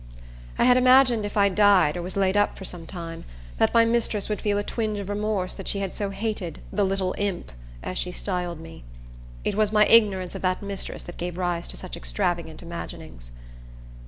I had imagined if I died, or was laid up for some time, that my mistress would feel a twinge of remorse that she had so hated "the little imp," as she styled me. It was my ignorance of that mistress that gave rise to such extravagant imaginings.